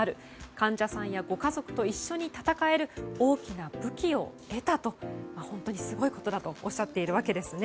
患者さんやご家族と一緒に一緒に闘える大きな武器を得たと本当にすごいことだとおっしゃっているわけですね。